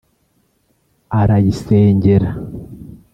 arayisengera